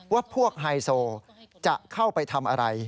ว่าพวกไฮโซจะเข้าไปทำอะไร